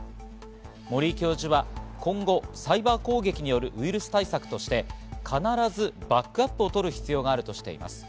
森井教授は今後、サイバー攻撃によるウイルス対策として必ずバックアップを取る必要があるとしています。